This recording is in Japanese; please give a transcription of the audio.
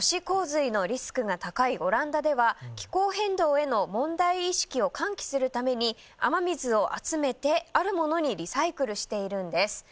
洪水のリスクが高いオランダでは気候変動への問題意識を喚起するために雨水を集めてあるものにリサイクルしているんです。